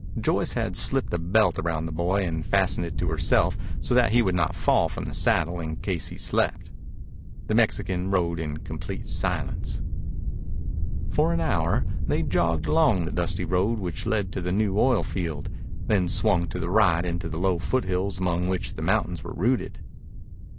Joyce had slipped a belt around the boy and fastened it to herself so that he would not fall from the saddle in case he slept. The Mexican rode in complete silence. For an hour they jogged along the dusty road which led to the new oil field, then swung to the right into the low foothills among which the mountains were rooted.